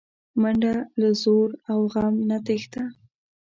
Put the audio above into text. منډه له ځور او غم نه تښته